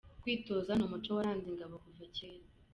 Kwitoza ni umuco waranze ingabo kuva cyera